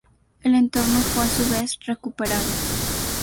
El entorno fue a su vez recuperado.